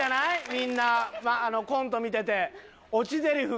みんなコント見てて。